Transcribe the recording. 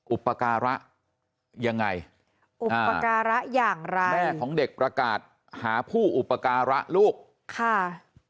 อุปการะยังไงอุปการะอย่างไรแม่ของเด็กประกาศหาผู้อุปการะลูกค่ะ